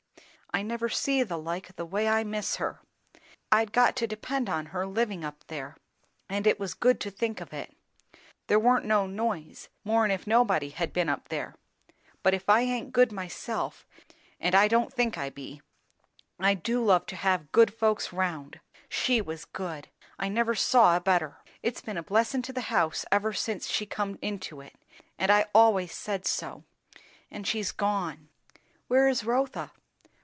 I never see the like o' the way I miss her. I'd got to depend on her living up there, and it was good to think of it; there warn't no noise, more'n if nobody had been up there; but if I aint good myself and I don't think I be I do love to have good folks round. She was good. I never see a better. It's been a blessin' to the house ever since she come into it; and I always said so. An' she's gone!" "Where is Rotha?"